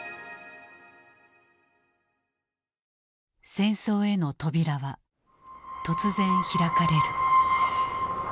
戦争への扉は突然開かれる。